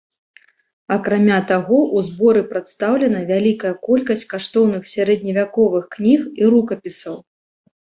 Акрамя таго ў зборы прадстаўлена вялікая колькасць каштоўных сярэдневяковых кніг і рукапісаў.